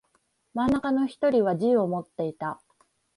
真ん中の一人は銃を持っていた。